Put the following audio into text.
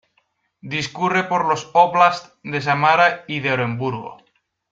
Discurre por los "óblasts" de Samara y de Oremburgo.